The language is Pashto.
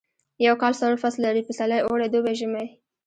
یو کال څلور فصله لري پسرلی اوړی دوبی ژمی